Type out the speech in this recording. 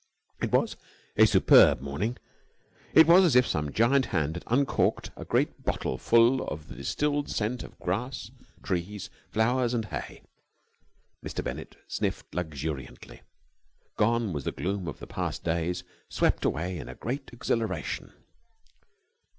It was a superb morning. It was as if some giant had uncorked a great bottle full of the distilled scent of grass, trees, flowers, and hay. Mr. Bennett sniffed luxuriantly. Gone was the gloom of the past days, swept away in a great exhilaration.